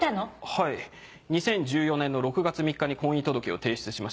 はい２０１４年の６月３日に婚姻届を提出しました。